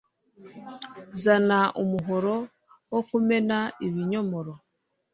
Zana umuhoro wo kumena ibinyomoro